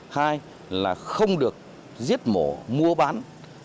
hai là không được giết mổ mua bán lợn trong giai đoạn có dịch